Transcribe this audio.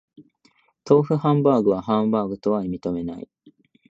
豆腐ハンバーグはハンバーグとは認めない